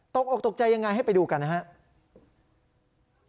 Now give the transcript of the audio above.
ตกออกตกใจยังไงให้ไปดูกันนะครับ